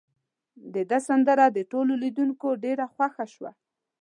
د ده سندره د ټولو لیدونکو ډیره خوښه شوه.